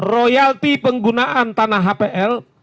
royalty penggunaan tanah hpl